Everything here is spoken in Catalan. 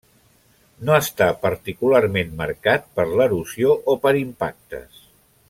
No està particularment marcat per l'erosió o per impactes.